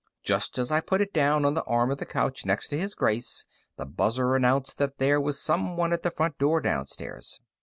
Just as I put it down on the arm of the couch next to His Grace, the buzzer announced that there was someone at the front door downstairs.